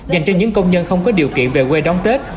dành cho những công nhân không có điều kiện về quê đón tết